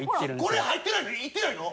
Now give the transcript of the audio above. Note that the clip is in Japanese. これ入ってないの？